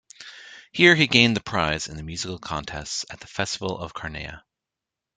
Here he gained the prize in the musical contests at the festival of Carnea.